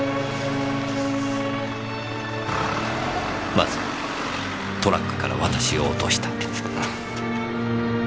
まずトラックから私を落とした。